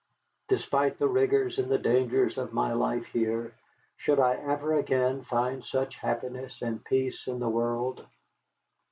Despite the rigors and the dangers of my life here, should I ever again find such happiness and peace in the world?